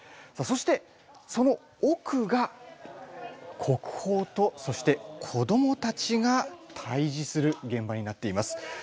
さあそしてそのおくが国宝とそして子どもたちが対じする現場になっています。